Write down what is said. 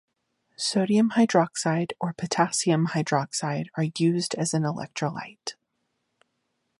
Sodium hydroxide or potassium hydroxide are used as an electrolyte.